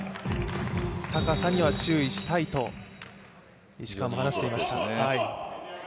高さには注意したいと石川も話していました。